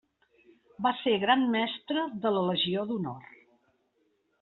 Va ser Gran Mestre de la Legió d'Honor.